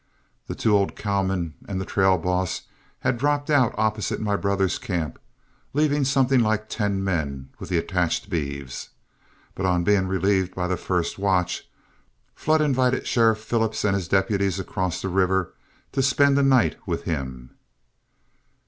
The two old cowmen and the trail boss had dropped out opposite my brother's camp, leaving something like ten men with the attached beeves; but on being relieved by the first watch, Flood invited Sheriff Phillips and his deputies across the river to spend the night with him.